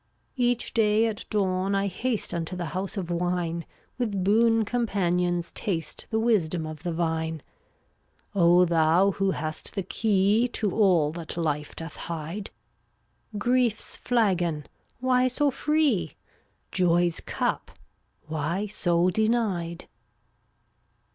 379 Each day at dawn I haste Unto the house of wine, With boon companions taste The wisdom of the vine. Thou who hast the key To all that life doth hide: Griefs flagon — why so freeP Joy's cup — why so denied?